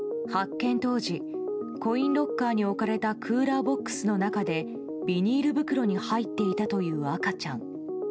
発見当時コインロッカーに置かれたクーラーボックスの中でビニール袋に入っていたという赤ちゃん。